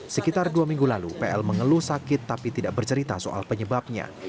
sekitar dua minggu lalu pl mengeluh sakit tapi tidak bercerita soal penyebabnya